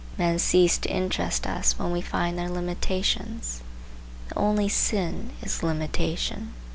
Men cease to interest us when we find their limitations. The only sin is limitation.